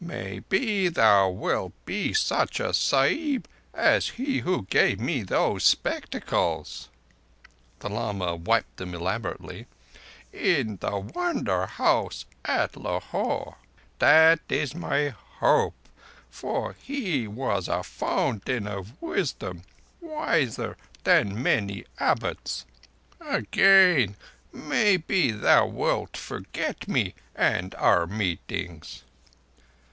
Maybe thou wilt be such a Sahib as he who gave me these spectacles"—the lama wiped them elaborately—"in the Wonder House at Lahore. That is my hope, for he was a Fountain of Wisdom—wiser than many abbots .... Again, maybe thou wilt forget me and our meetings."